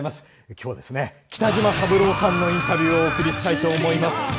きょうはですね、北島三郎さんのインタビューをお送りしたいと思います。